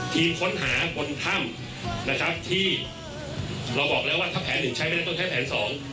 ทีมค้นหาบนถ้ำนะครับที่เราบอกแล้วว่าถ้าแผนหนึ่งใช้ไม่ได้ต้องใช้แผนสอง